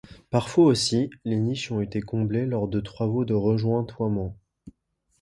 Parfois aussi, les niches ont été comblées lors de travaux de rejointoiement.